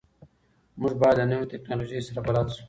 موږ باید له نویو ټکنالوژیو سره بلد سو.